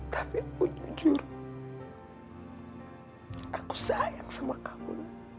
tapi oh jujur aku sayang sama kamu